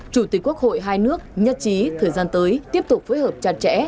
chủ tịch quốc hội hai nước nhất trí thời gian tới tiếp tục phối hợp chặt chẽ